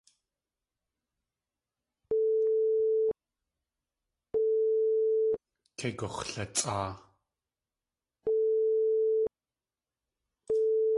Kei gux̲latsʼáa.